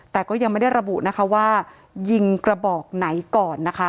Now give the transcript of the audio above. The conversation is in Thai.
แต่ก็ยังไม่ได้ระบุนะคะว่ายิงกระบอกไหนก่อนนะคะ